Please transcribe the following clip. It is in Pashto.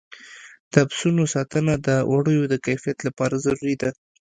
د پسونو ساتنه د وړیو د کیفیت لپاره ضروري ده.